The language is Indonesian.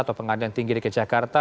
atau pengadilan tinggi dki jakarta